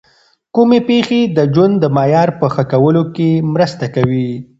کومې پېښې د ژوند د معیار په ښه کولو کي مرسته کوي؟